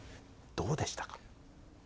どうでしたか？